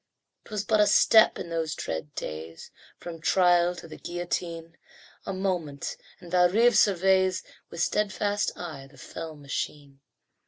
'Twas but a step in those dread days From trial to the guillotine; A moment, and Valrive surveys With steadfast eye the fell machine.